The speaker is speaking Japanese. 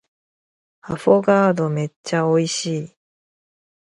アフォガードめっちゃ美味しい